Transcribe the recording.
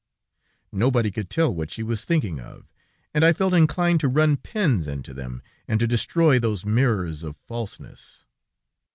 Nobody could tell what she was thinking of, and I felt inclined to run pins into them, and to destroy those mirrors of falseness.